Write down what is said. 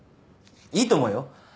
いいと思うよ。